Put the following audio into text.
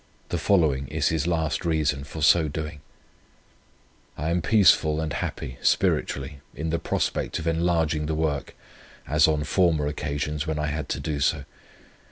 The following is his last reason for so doing: "I am peaceful and happy, spiritually, in the prospect of enlarging the work as on former occasions when I had to do so.